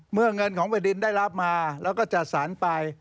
เงินของแผ่นดินได้รับมาแล้วก็จัดสรรไป